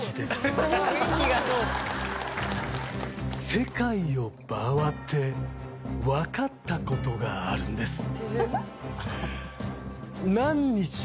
世界を回って分かったことがあるんです。